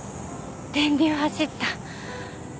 電流走った。